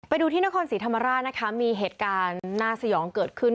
ไปดูที่นครศรีธรรมราชนะคะมีเหตุการณ์น่าสยองเกิดขึ้น